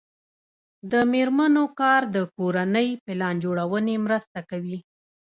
د میرمنو کار د کورنۍ پلان جوړونې مرسته کوي.